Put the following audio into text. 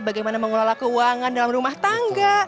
bagaimana mengelola keuangan dalam rumah tangga